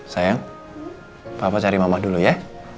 sayang papa cari mama dulu ya